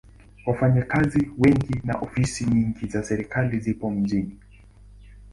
Wafanyakazi wengi na ofisi nyingi za serikali zipo mjini.